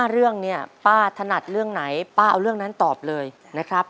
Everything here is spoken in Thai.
เรื่องเนี่ยป้าถนัดเรื่องไหนป้าเอาเรื่องนั้นตอบเลยนะครับ